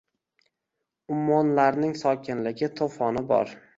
Ummonlarning sokinligi, to’foni bor.